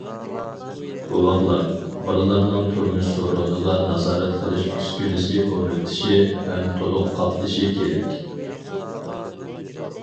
بوۋاقلار، بالىلارنىڭ تۇرمۇش سورۇنىغا نازارەت قىلىش ئۈسكۈنىسى ئورنىتىشى ھەم تولۇق قاپلىشى كېرەك.